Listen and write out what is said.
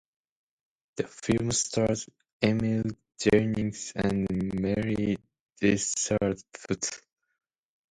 The film stars Emil Jannings and Maly Delschaft.